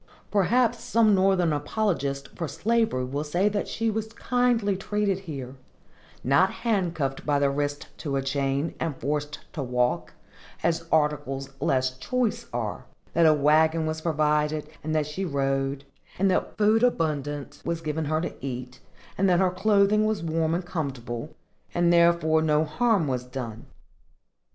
Perhaps some Northern apologist for slavery will say she was kindly treated here—not handcuffed by the wrist to a chain, and forced to walk, as articles less choice are; that a wagon was provided, and that she rode; and that food abundant was given her to eat, and that her clothing was warm and comfortable, and therefore no harm was done.